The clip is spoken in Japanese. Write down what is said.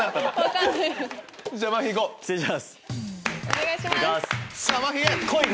お願いします！来い！